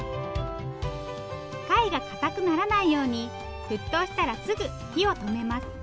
貝がかたくならないように沸騰したらすぐ火を止めます。